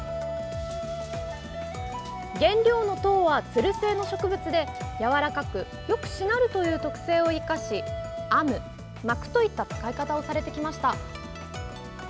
原料の籐は、つる性の植物でやわらかく、よくしなるという特性を生かし編む、巻くといった使い方をされてきました。